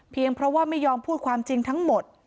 เพราะว่าไม่ยอมพูดความจริงทั้งหมด